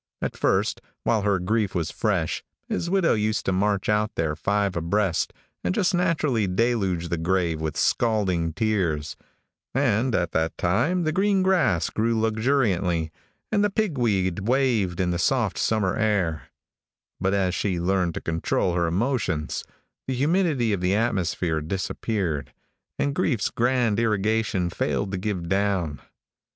At first, while her grief was fresh, his widow used to march out there five abreast, and just naturally deluge the grave with scalding tears, and at that time the green grass grew luxuriantly, and the pig weed waved in the soft summer air; but as she learned to control her emotions, the humidity of the atmosphere disappeared, and grief's grand irrigation failed to give down.